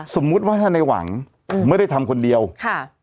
สมมุติว่าถ้าในหวังไม่ได้ทำคนเดียวค่ะ